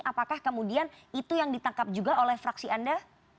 apakah kemudian itu yang ditangkap juga oleh fraksi anda